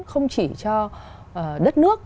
không chỉ cho đất nước